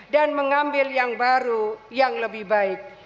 dan mengambil yang baru yang lebih baik